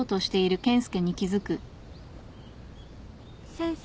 先生？